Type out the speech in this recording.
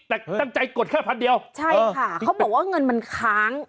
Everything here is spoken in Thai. แต่ตั้งใจกดแค่พันเดียวใช่ค่ะเขาบอกว่าเงินมันค้าง